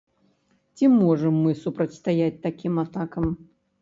Ці можам мы супрацьстаяць такім атакам?